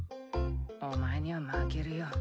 お前には負けるよ。